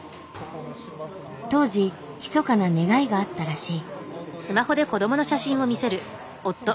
当時ひそかな願いがあったらしい。